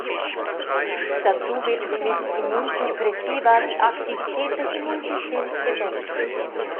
Dazu wird mit Immunsuppressiva die Aktivität des Immunsystems gedämpft.